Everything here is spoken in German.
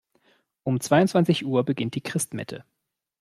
Um zweiundzwanzig Uhr beginnt die Christmette.